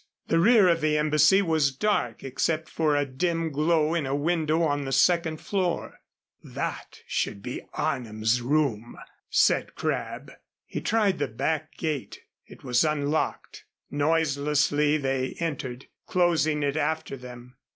The rear of the embassy was dark, except for a dim glow in a window on the second floor. "That should be Arnim's room," said Crabb. He tried the back gate. It was unlocked. Noiselessly they entered, closing it after them.